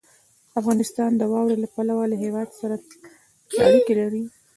افغانستان د واورې له پلوه له هېوادونو سره اړیکې لري.